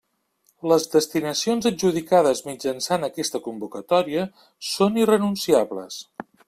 Les destinacions adjudicades mitjançant aquesta convocatòria són irrenunciables.